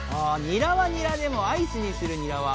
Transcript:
「ニラはニラでもアイスにするニラは？」